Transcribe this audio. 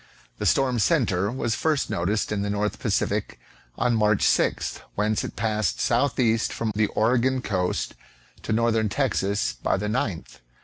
The storm centre was first noticed in the North Pacific on March 6th ; whence it passed southeast from the Oregon coast to northern Texas by the 9th.